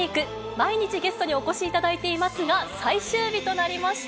毎日ゲストにお越しいただいていますが、最終日となりました。